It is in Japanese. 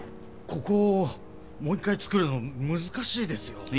ここをもう一回つくるの難しいですよ。